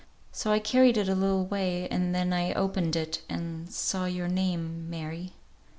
So I carried it a little way, and then I opened it and saw your name, Mary."